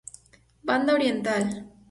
Banda Oriental.